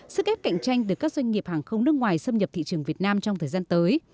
sức ép cạnh tranh từ các doanh nghiệp hàng không nước ngoài xâm nhập thị trường việt nam trong thời gian tới